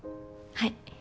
はい。